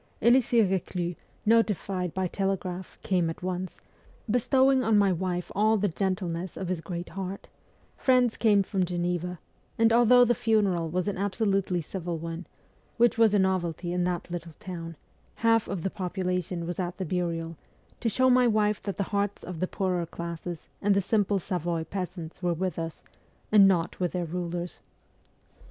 Elisee Reclus, notified by telegraph, came at once, bestowing on my wife all the gentleness of his great heart ; friends came from Geneva ; and although the funeral was an absolutely civil one, which was a novelty in that little town, half of the population was at the burial, to show my wife that the hearts of the poorer classes and the simple Savoy peasants were with us, and not with their rulers.